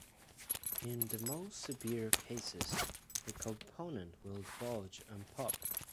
In the most severe cases, the component will bulge and pop.